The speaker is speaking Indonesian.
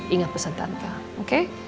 ingat pesan tante oke